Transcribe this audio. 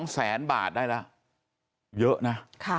๒แสนบาทได้แล้วเยอะนะ